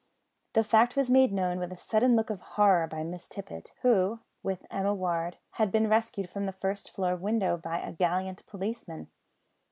The fact was made known with a sudden look of horror by Miss Tippet, who, with Emma Ward, had been rescued from the first floor window by a gallant policeman.